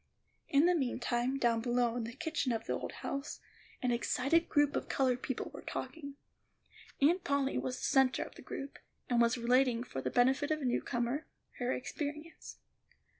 In the meantime, down below, in the kitchen of the old house, an excited group of colored people were talking. Aunt Polly was the centre of the group, and was relating, for the benefit of a new comer, her experience.